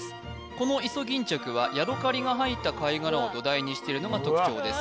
このイソギンチャクはヤドカリが入った貝殻を土台にしているのが特徴です